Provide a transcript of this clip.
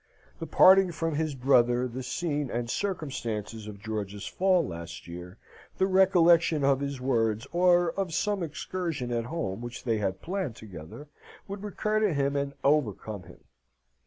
The parting from his brother; the scene and circumstances of George's fall last year; the recollection of his words, or of some excursion at home which they had planned together; would recur to him and overcome him.